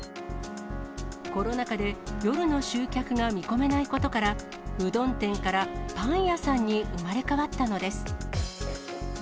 コロナ禍で夜の集客が見込めないことから、うどん店からパン屋さんに生まれ変わったのです。